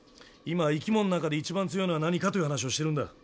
今は生き物の中で一番強いのは何かという話をしてるんだ。